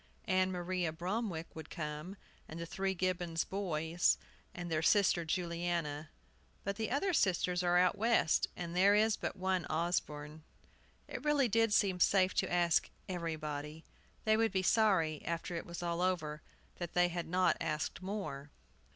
Ann Maria Bromwick would come, and the three Gibbons boys, and their sister Juliana; but the other sisters are out West, and there is but one Osborne." It really did seem safe to ask "everybody." They would be sorry, after it was over, that they had not asked more.